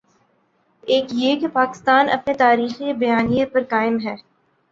ایک یہ کہ پاکستان اپنے تاریخی بیانیے پر قائم ہے۔